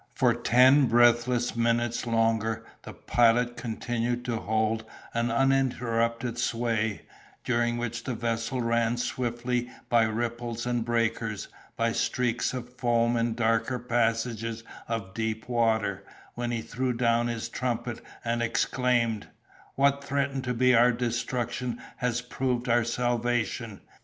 For ten breathless minutes longer the Pilot continued to hold an uninterrupted sway, during which the vessel ran swiftly by ripples and breakers, by streaks of foam and darker passages of deep water, when he threw down his trumpet and exclaimed— "What threatened to be our destruction has proved our salvation!